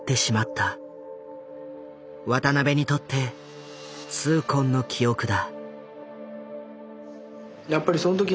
渡邊にとって痛恨の記憶だ。